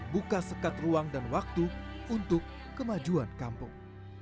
buka sekat ruang dan waktu untuk kemajuan kampung